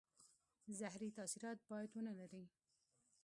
زهري تاثیرات باید ونه لري.